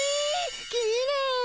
きれい！